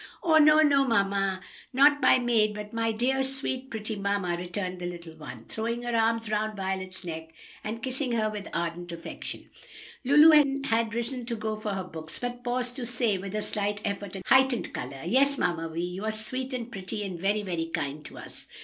"No, no! not my maid, but my dear, sweet, pretty mamma!" returned the little one, throwing her arms around Violet's neck and kissing her with ardent affection. Lulu had risen to go for her books, but paused to say with a slight effort and heightened color, "Yes, Mamma Vi, you are sweet and pretty, and very, very kind to us."